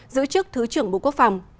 giữ chức thứ trưởng bộ quốc phòng